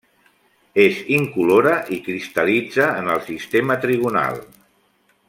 És incolora i cristal·litza en el sistema trigonal.